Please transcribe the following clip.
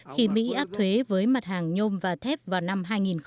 khi mỹ áp thuế với mặt hàng nhôm và thép vào năm hai nghìn một mươi